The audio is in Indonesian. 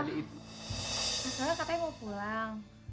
maksudnya katanya mau pulang